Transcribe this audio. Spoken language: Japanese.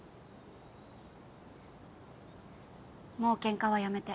もうケンカはやめて。